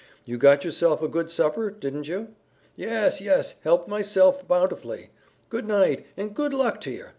You got yourself a good supper, didn't you?" "Yes, yes! Helped myself bount'fully. Good night, and good luck ter yer.